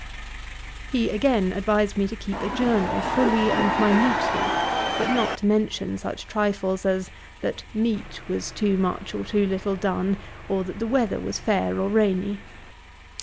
He again advised me to keep a journal fully and minutely, but not to mention such trifles as, that meat was too much or too little done, or that the weather was fair or rainy.